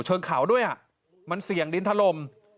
เชิงข่าวด้วยมันเสี่ยงดินทรลม